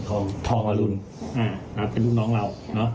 ทองอรุณอะเป็นลูกน้องเรา